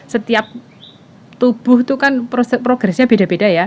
setiap tubuh itu kan progresnya beda beda ya